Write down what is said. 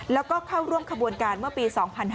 แล้วก็เข้าร่วมขบวนการเมื่อปี๒๕๕๙